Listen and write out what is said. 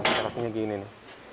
nah rasanya gini nih